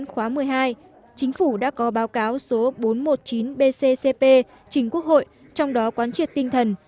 bốn khóa một mươi hai chính phủ đã có báo cáo số bốn trăm một mươi chín bccp chính quốc hội trong đó quan triệt tinh thần